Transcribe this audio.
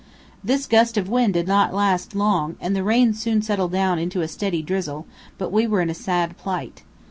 This gust of wind did not last long, and the rain soon settled down into a steady drizzle, but we were in a sad plight.